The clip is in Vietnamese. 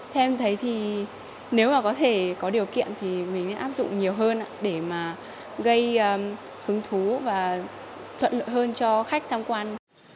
theo em thấy thì nếu mà có thể có điều kiện thì mình áp dụng nhiều hơn để mà gây hứng thú và thuận lợi hơn cho khách tham quan